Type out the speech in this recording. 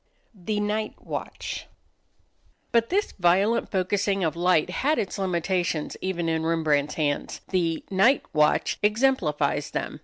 ] The Night Watch But this violent focusing of light had its limitations even in Rembrandt's hands. The "Night Watch" exemplifies them.